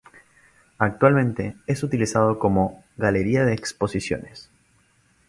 Actualmente es utilizado como galería de exposiciones.